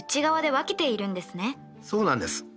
そうなんです。